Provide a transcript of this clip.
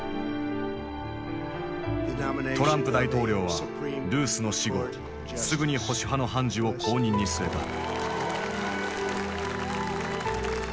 トランプ大統領はルースの死後すぐに保守派の判事を後任に据えた。